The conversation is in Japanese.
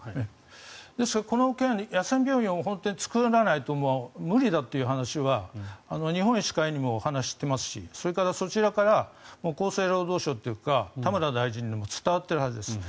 この件野戦病院を本当に作らないと無理だという話は日本医師会にもお話していますし、それからそちらから厚生労働省というか田村大臣にも伝わっているはずです。